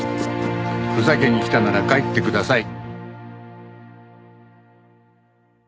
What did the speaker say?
ふざけに来たなら帰ってください。